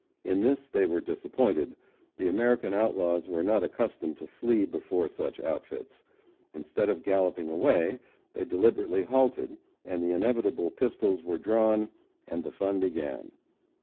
In this they were disappointed. The American outlaws were not accustomed to flee before such "outfits." Instead of galloping away, they deliberately halted, and the inevitable pistols were drawn and "the fun began."